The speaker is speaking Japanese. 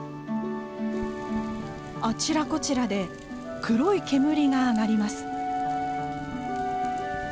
あちらこちらで黒い煙が上がります。